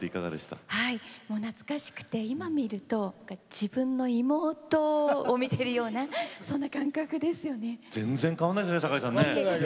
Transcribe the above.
懐かしくて今見ると自分の妹を見ているような全然変わらないですよね酒井さん。